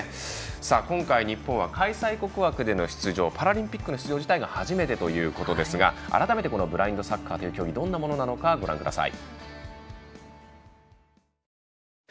今回日本は開催国枠での出場パラリンピックの出場は初めてということですが、改めてブラインドサッカーという競技がどんなものなのかご覧ください。